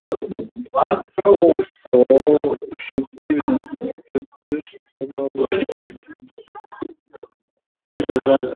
It also shows evidence of the Cretaceous–Paleogene (K–Pg) extinction event.